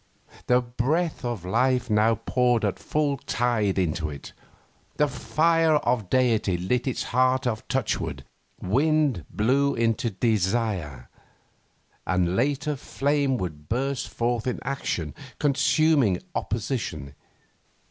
The breath of life now poured at full tide into it, the fire of deity lit its heart of touchwood, wind blew into desire; and later flame would burst forth in action, consuming opposition.